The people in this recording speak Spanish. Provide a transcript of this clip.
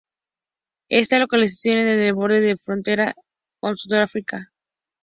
Está localizado en el borde de la frontera con Sudáfrica.